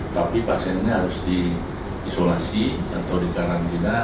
tapi pasien ini harus diisolasi atau dikarantina